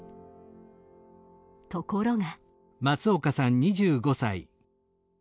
ところが。